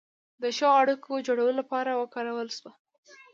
د ښو اړیکو جوړولو لپاره وکارول شوه.